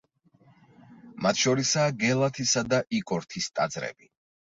მათ შორისაა გელათისა და იკორთის ტაძრები.